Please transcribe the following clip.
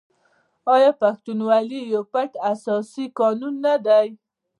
آیا پښتونولي یو پټ اساسي قانون نه دی؟